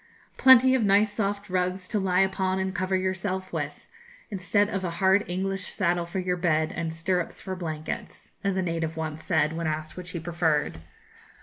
'Plenty of nice soft rugs to lie upon and cover yourself with, instead of a hard English saddle for your bed and stirrups for blankets,' as a native once said, when asked which he preferred.